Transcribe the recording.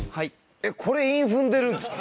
えっこれ韻踏んでるんですか？